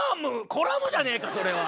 コラムじゃねえかそれは！